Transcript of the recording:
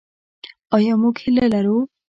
آیا موږ هیله لرو؟